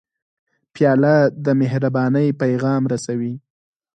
پیاله د مهربانۍ پیغام رسوي.